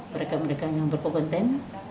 mereka mereka yang berkomenten